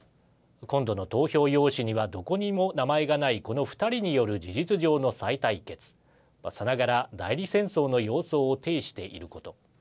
今度の投票用紙にはどこにも名前がないこの２人による事実上の再対決さながら代理戦争の様相を呈していること。